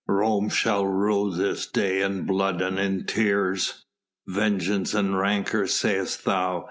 Rome shall rue this day in blood and in tears. Vengeance and rancour, sayest thou?"